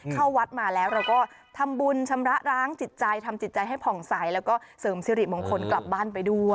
เข้าวัดมาแล้วเราก็ทำบุญชำระร้างจิตใจทำจิตใจให้ผ่องใสแล้วก็เสริมสิริมงคลกลับบ้านไปด้วย